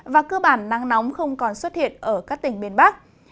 và cơ bản nắng nóng không còn xuất hiện ở các tỉnh miền bắc